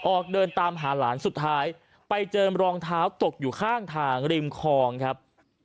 ออกเดินตามหาหลานสุดท้ายไปเจอรองเท้าตกอยู่ข้างทางริมคลองครับ